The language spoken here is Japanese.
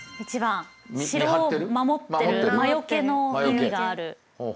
城を守ってる魔よけの意味がある。